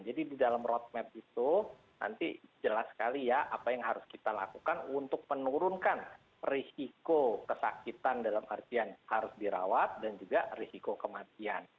jadi di dalam roadmap itu nanti jelas sekali ya apa yang harus kita lakukan untuk menurunkan risiko kesakitan dalam artian harus dirawat dan juga risiko kematian